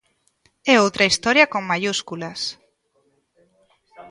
E outra historia con maiúsculas.